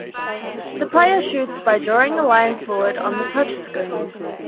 The player shoots by drawing a line forward on the touchscreen.